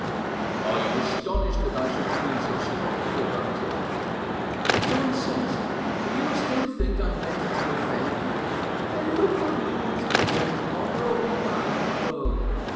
"Are you astonished that I should feel so strongly about it?" "Nonsense! Do you still think I meant to offend you? I look on you as the most honourable man in the world.